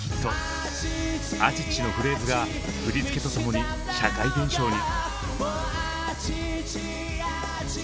「アチチ」のフレーズが振り付けと共に社会現象に。